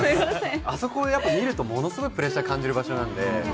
あそこをやっぱ見るとものすごいプレッシャー感じる場所なんで。